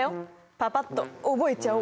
パパっと覚えちゃおう。